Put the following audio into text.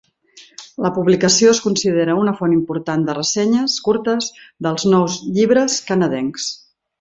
La publicació es considera una font important de ressenyes curtes dels nous llibres canadencs.